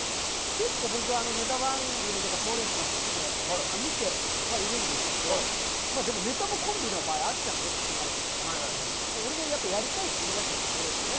結構、僕はネタ番組とか賞レースとか好きで見てはいるんですけどでも、ネタもコンビの場合あっちゃんが全部考えてたから俺がやりたいって言い出したところでね